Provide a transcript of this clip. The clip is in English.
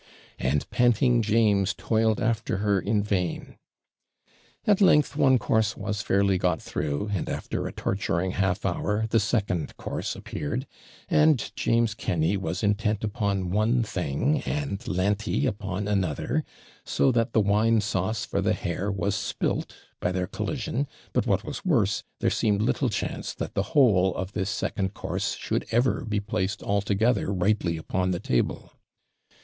'And panting James toiled after her in vain.' At length one course was fairly got through, and after a torturing half hour, the second course appeared, and James Kenny was intent upon one thing, and Larry upon another, so that the wine sauce for the hare was spilt by their collision; but, what was worse, there seemed little chance that the whole of this second course should ever be placed altogether rightly upon the table.